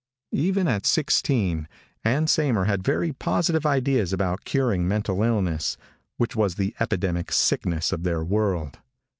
Even at sixteen Ann Saymer had very positive ideas about curing mental illness, which was the epidemic sickness of their world.